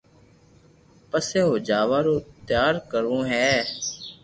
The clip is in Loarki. پسي او جاوا رو تيارو ڪرو ھي